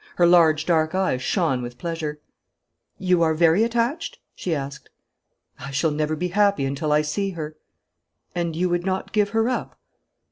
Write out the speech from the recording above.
Her large dark eyes shone with pleasure. 'You are very attached?' she asked. 'I shall never be happy until I see her.' 'And you would not give her up?'